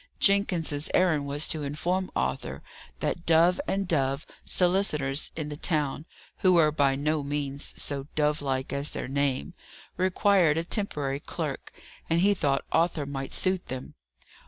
Jenkins's errand was to inform Arthur that Dove and Dove (solicitors in the town, who were by no means so dove like as their name) required a temporary clerk, and he thought Arthur might suit them.